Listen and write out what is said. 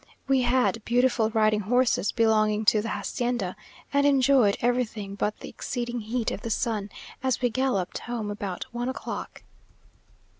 We had beautiful riding horses belonging to the hacienda, and enjoyed everything but the exceeding heat of the sun, as we galloped home about one o'clock....